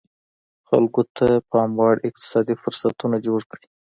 خلکو ته پاموړ اقتصادي فرصتونه جوړ کړي.